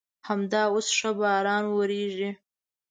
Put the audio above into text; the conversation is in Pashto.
همدا اوس ښه باران ورېږي.